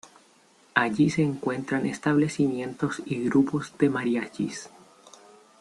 Allí se encuentran establecimientos y grupos de mariachis.